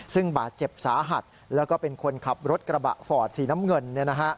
ซึ่งบาดเจ็บสาหัสแล้วก็เป็นคนขับรถกระบะฟอร์ดสีน้ำเงิน